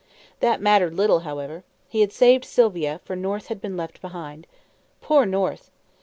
That mattered little, however. He had saved Sylvia, for North had been left behind. Poor North!